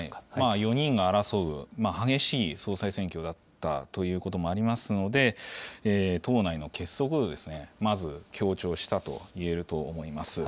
４人が争う、激しい総裁選挙だったということもありますので、党内の結束をまず強調したといえると思います。